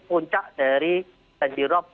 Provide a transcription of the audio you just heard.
puncak dari banji rop